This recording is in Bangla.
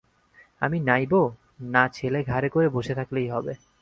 আমি নাইবো, না, ছেলে ঘাড়ে করে বসে থাকলেই হবে?